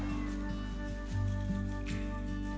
ketika overpopulasi itu tidak bisa ditekan